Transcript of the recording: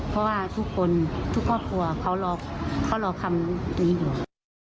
เพราะว่าทุกคนทุกครอบครัวเขารอคำนี้อยู่